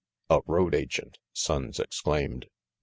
"A road agent," Sonnes exclaimed.